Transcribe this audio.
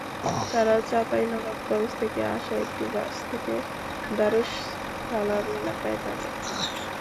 তাঁরা চাঁপাইনবাবগঞ্জ থেকে আসা একটি বাস থেকে দারুস সালাম এলাকায় নামেন।